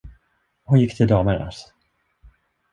Hon gick till damernas.